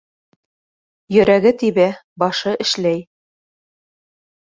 Йөрәге тибә, башы эшләй.